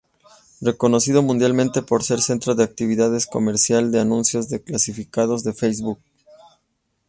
Reconocido mundialmente por ser centro de actividad comercial de anuncios de clasificados de Facebook.